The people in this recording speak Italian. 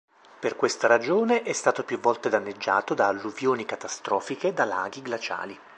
Per questa ragione è stato più volte danneggiato da alluvioni catastrofiche da laghi glaciali.